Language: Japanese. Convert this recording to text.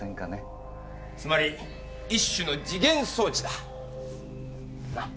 つまり一種の時限装置だ。な？